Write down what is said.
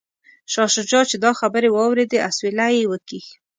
شاه شجاع چې دا خبرې واوریدې اسویلی یې وکیښ.